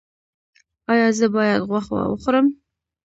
ایا زه باید غوښه وخورم؟